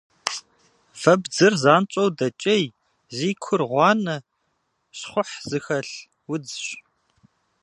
Вэбдзыр занщӏэу дэкӏей, зи кур гъуанэ, щхъухь зыхэлъ удзщ.